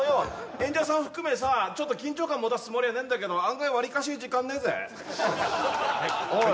演者さん含めさちょっと緊張感持たすつもりはねえんだけど案外わりかし時間ねえぜはいおい